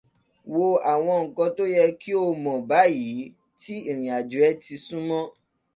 Wo àwọn nǹkan tó yẹ kí o mọ̀ báyìí tí ìrìnàjò ẹ ti súnmọ́.